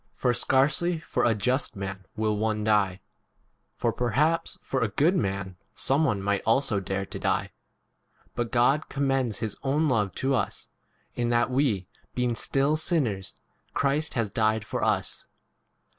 7 For scarcely for a just [man] will one die, for perhaps for a good [man] some one might also dare 8 to die ; but God commends his own love to us, in that, we being still sinners, Christ has died for 9 us.